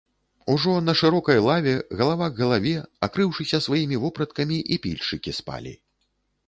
Ужо на шырокай лаве, галава к галаве, акрыўшыся сваімі вопраткамі, і пільшчыкі спалі.